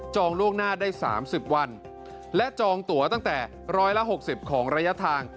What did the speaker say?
ล่วงหน้าได้๓๐วันและจองตัวตั้งแต่๑๖๐ของระยะทาง